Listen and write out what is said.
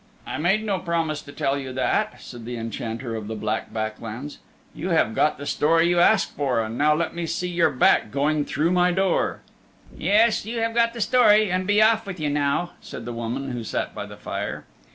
"I made no promise to tell you that," said the En chanter of the Black Back Lands. "You have got the story you asked for, and now let me see your back going through my door." "Yes, you have got the story, and be off with you now," said the woman who sat by the fire.